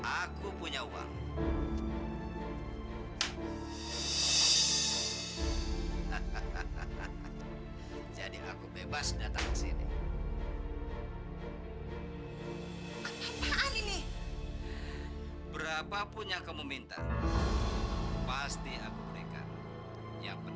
aku udah bosan dengan dosen kamu